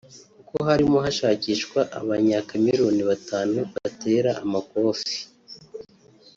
kuko harimo hashakishwa Abanyakameruni batanu batera amakofi